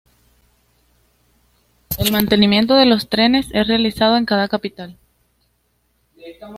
El mantenimiento de los trenes es realizado en cada capital.